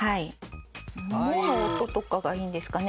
「も」の音とかがいいんですかね